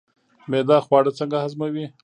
معده خواړه څنګه هضموي